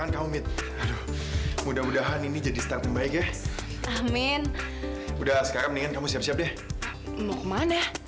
aku mau terakhir kamu makan di luar